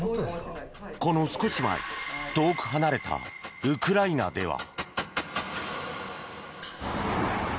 この少し前遠く離れたウクライナでは。